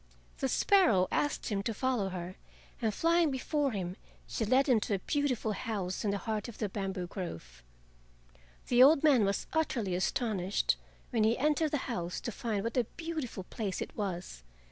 The sparrow asked him to follow her, and flying before him she led him to a beautiful house in the heart of the bamboo grove. The old man was utterly astonished when he entered the house to find what a beautiful place it was.